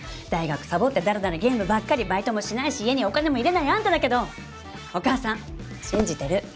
大学サボってだらだらゲームばっかりバイトもしないし家にお金も入れないあんただけどお母さん信じてる。